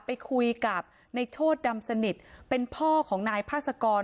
ไปคุยกับในโชธดำสนิทเป็นพ่อของนายพาสกร